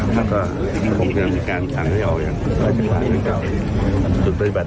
ครับแล้วก็ผมก็ยังมีการทำให้ออกอย่างประสิทธิภาพเก่าสุดปฏิบัติ